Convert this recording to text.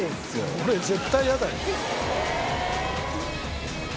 「俺絶対イヤだよ」